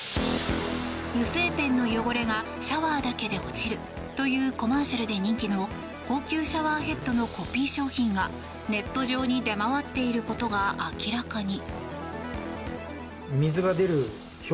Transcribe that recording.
油性ペンの汚れがシャワーだけで落ちるというコマーシャルで人気の高級シャワーヘッドのコピー商品がネット上に出回っていることが明らかに。